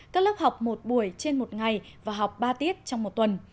các lớp học một buổi trên một ngày và học ba tiết trong một tuần